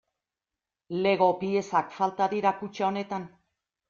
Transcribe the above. Lego piezak falta dira kutxa honetan.